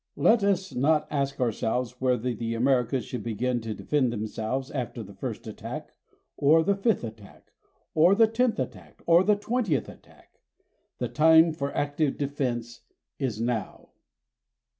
Let us not ask ourselves whether the Americas should begin to defend themselves after the first attack, or the fifth attack, or the tenth attack, or the twentieth attack. The time for active defense is now.